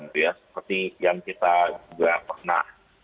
seperti yang kita juga pernah